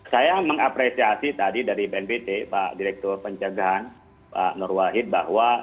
saya mengapresiasi tadi dari bnpt pak direktur pencegahan pak nur wahid bahwa